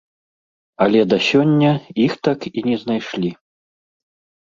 Але да сёння іх так і не знайшлі.